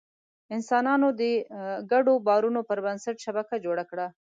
انسانانو د ګډو باورونو پر بنسټ شبکه جوړه کړه.